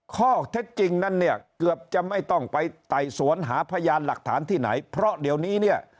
ข้อเท็จจริงนั้นเนี่ยเกือบจะไม่ต้องไปไต่สวนหาพยานหลักฐานที่ไหนเพราะเดี๋ยวนี้เนี่ย